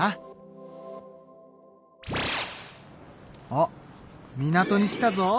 あっ港に来たぞ。